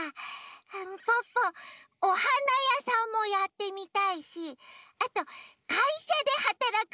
ポッポおはなやさんもやってみたいしあとかいしゃではたらく